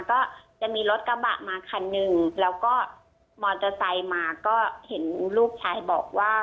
ก็จะมีรถกระบะมาคันหนึ่งแล้วก็มอเตอร์ไซค์มาก็เห็นลูกชายบอกว่า